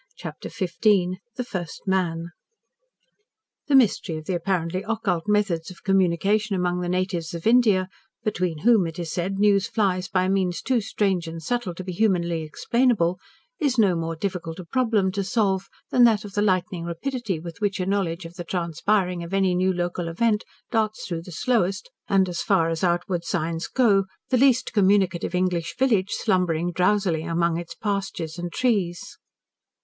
CHAPTER XV THE FIRST MAN The mystery of the apparently occult methods of communication among the natives of India, between whom, it is said, news flies by means too strange and subtle to be humanly explainable, is no more difficult a problem to solve than that of the lightning rapidity with which a knowledge of the transpiring of any new local event darts through the slowest, and, as far as outward signs go, the least communicative English village slumbering drowsily among its pastures and trees.